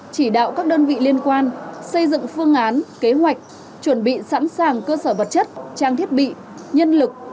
chỉ đạo các đơn vị liên quan xây dựng phương án kế hoạch chuẩn bị sẵn sàng cơ sở vật chất trang thiết bị nhân lực